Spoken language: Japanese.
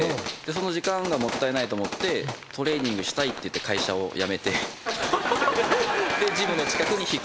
その時間がもったいないと思ってトレーニングしたいって言って会社を辞めてジムの近くに引っ越したっていう。